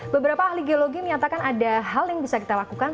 beberapa ahli geologi menyatakan ada hal yang bisa kita lakukan